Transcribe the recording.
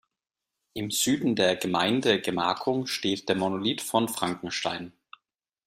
Im Süden der Gemeindegemarkung steht der Monolith von Frankenstein.